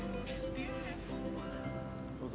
どうぞ。